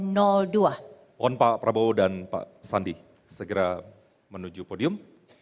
mohon pak prabowo dan pak sandi segera menuju podium